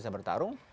mungkin bisa bertarung